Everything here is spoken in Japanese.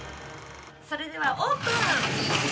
それではオープン。